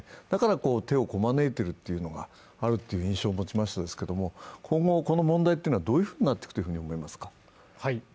だから手をこまねいているというのがあるという印象を持ちましたけれども、今後、この問題はどういうふうになっていくと思いますか。